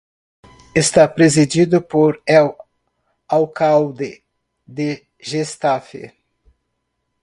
Está presidido por el alcalde de Getafe.